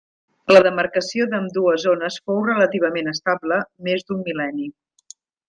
La demarcació d'ambdues zones fou relativament estable més d'un mil·lenni.